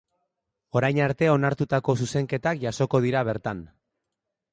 Orain arte onartutako zuzenketak jasoko dira bertan.